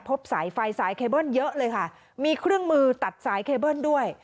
สายไฟสายเคเบิ้ลเยอะเลยค่ะมีเครื่องมือตัดสายเคเบิ้ลด้วย